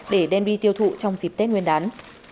để đem đi tiêu thụ trong dịp tết nguyên đán